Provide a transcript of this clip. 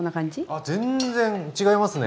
あ全然違いますね。